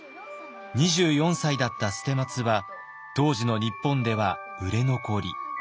２４歳だった捨松は当時の日本では売れ残り。